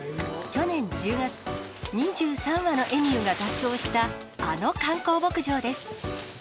去年１０月、２３羽のエミューが脱走したあの観光牧場です。